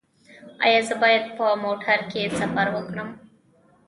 ایا زه باید په موټر کې سفر وکړم؟